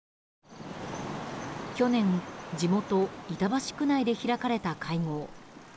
去年、地元・板橋区内で開かれた会合。